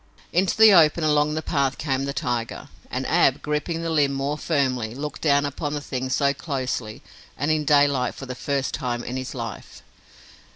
Into the open along the path came the tiger, and Ab, gripping the limb more firmly, looked down upon the thing so closely and in daylight for the first time in his life.